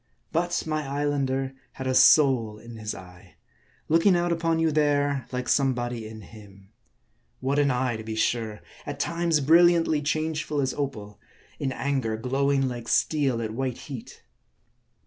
But my Islander had a soul in his eye ; looking out upon you there, like somebody in him. What an eye, to be sure ! At times, brilliantly changeful as opal ; in anger, glowing like steel at white heat.